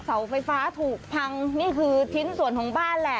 เสาไฟฟ้าถูกพังนี่คือชิ้นส่วนของบ้านแหละ